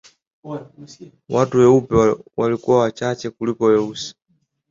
Watu weupe walikuwa wachache kuliko weusi